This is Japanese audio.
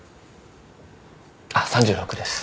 あっ３６です。